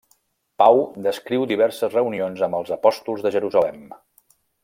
Pau descriu diverses reunions amb els apòstols de Jerusalem.